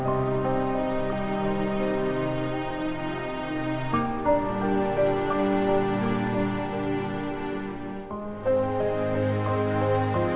patah patah dengan kepengen semua